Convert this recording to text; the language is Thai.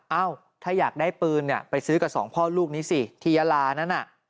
เอ้าถ้าอยากได้ปืนเนี่ยไปซื้อกับสองพ่อลูกนี้สิที่ยาลานั้นน่ะ